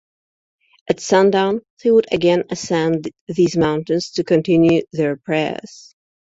At sundown, they would again ascend these mountain to continue their prayers.